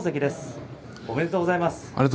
ありがとうございます。